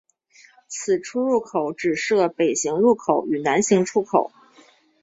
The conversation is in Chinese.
此出入口只设北行入口与南行出口。